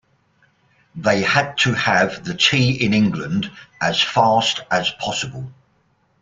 They had to have the tea in England as fast as possible.